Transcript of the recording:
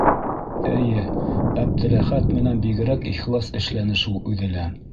Әйе, Әптеләхәт менән бигерәк ихлас эшләне шул үҙе лә.